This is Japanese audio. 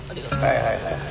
はいはいはいはい。